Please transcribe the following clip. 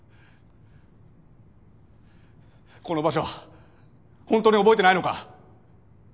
この場所本当に覚えてないのか？